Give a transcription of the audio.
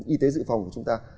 y tế dự phòng của chúng ta